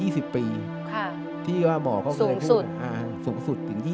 รายการต่อไปนี้เป็นรายการทั่วไปสามารถรับชมได้ทุกวัย